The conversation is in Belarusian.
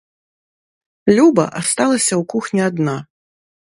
Люба асталася ў кухні адна.